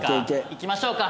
いきましょうか。